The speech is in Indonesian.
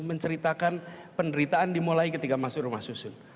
menceritakan penderitaan dimulai ketika masuk rumah susun